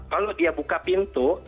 kalau dia buka pintu